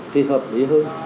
thì hợp lý hơn